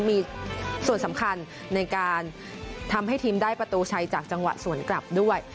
มีส่วนสำคัญในการทำให้ทีมได้ประตูชัยจากจังหวะสวนกลับด้วย